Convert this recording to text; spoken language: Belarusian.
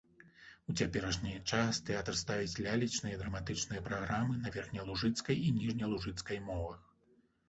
У цяперашні час тэатр ставіць лялечныя і драматычныя праграмы на верхнялужыцкай і ніжнялужыцкай мовах.